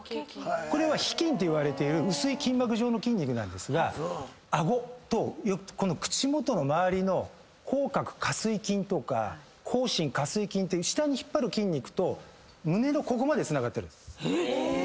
これは皮筋といわれている薄い筋膜状の筋肉なんですが顎と口元の周りの口角下制筋とか下唇下制筋っていう下に引っ張る筋肉と胸のここまでつながってるんです。